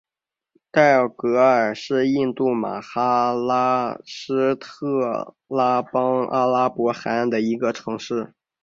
代奥格尔是印度马哈拉施特拉邦阿拉伯海岸的一个城市。